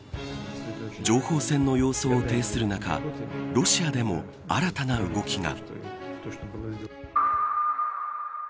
情報戦の様相を呈する中ロシアでも新たな動きが。